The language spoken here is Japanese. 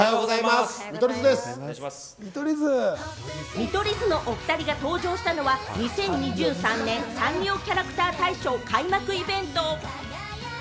見取り図のお２人が登場したのは、２０２３年サンリオキャラクター大賞、開幕イベント。